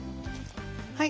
はい。